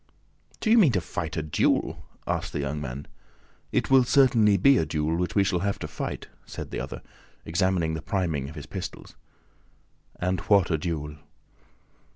"Do you mean to fight a duel?" asked the young man. "It will certainly be a duel which we shall have to fight," said the other, examining the priming of his pistols. "And what a duel!"